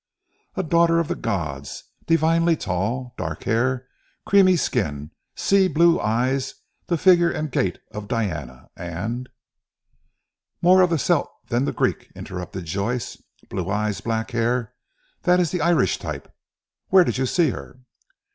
"A daughter of the gods, divinely tall; dark hair, creamy skin, sea blue eyes the figure and gait of Diana, and " "More of the Celt than the Greek," interrupted Joyce, "blue eyes, black hair, that is the Irish type. Where did you see her?"